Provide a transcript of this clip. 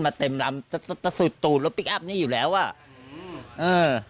แต่แท็กซี่เขาก็บอกว่าแท็กซี่ควรจะถอยควรจะหลบหน่อยเพราะเก่งเทาเนี่ยเลยไปเต็มคันแล้ว